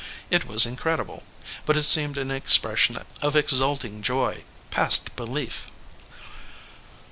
It was incredible, but it seemed an expression of ex ulting joy, past belief.